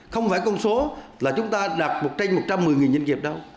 không phải con số là chúng ta đạt một trăm một mươi nhân nghiệp đâu